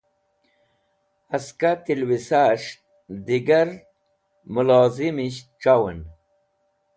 Haska tẽlwisas̃h digar mẽlozimisht c̃hawẽn